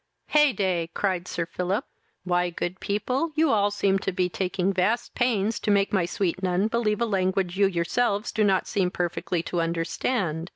"Hey day! (cried Sir Philip;) why, good people, you all seem to be taking vast pains to make my sweet nun believe a language you yourselves do not seem perfectly to understand.